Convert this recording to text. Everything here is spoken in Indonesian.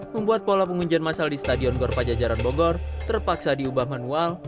membuat pola penguncian masal di stadion gor pajajaran bogor terpaksa diubah manual